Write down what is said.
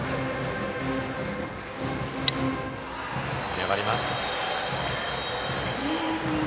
粘ります。